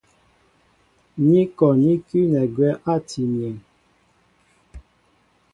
Ni kɔ ní kʉ́nɛ agwɛ́ átii myéŋ.